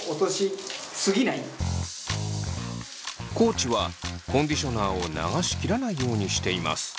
地はコンディショナーを流し切らないようにしています。